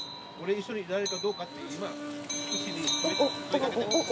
一緒にいられるかどうかって今牛に問いかけてます。